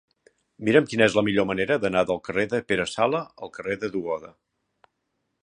Mira'm quina és la millor manera d'anar del carrer de Pere Sala al carrer de Duoda.